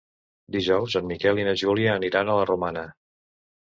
Dijous en Miquel i na Júlia aniran a la Romana.